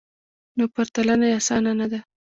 نو پرتلنه یې اسانه نه ده